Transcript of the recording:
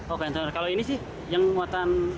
oh kantor kalau ini sih yang muatan